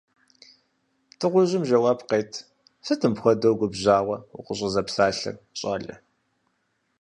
Дыгъужьым жэуап къет: – Сыт мыпхуэдэу губжьауэ укъыщӀызэпсалъэр, щӀалэ.